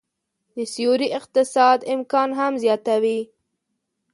د سیوري اقتصاد امکان هم زياتوي